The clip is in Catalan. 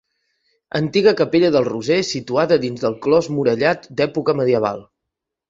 Antiga capella del Roser situada dins del clos murallat d’època medieval.